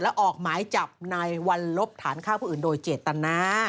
และออกหมายจับนายวัลลบฐานฆ่าผู้อื่นโดยเจตนา